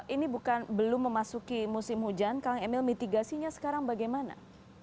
ini bukan belum memasuki musim hujan kang emil mitigasinya sekarang bagaimana